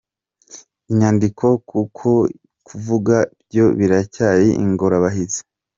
inyandiko kuko kuvuga byo biracyari ingorabahizi.